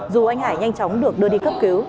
dù anh hải nhanh chóng được đưa đi cấp cứu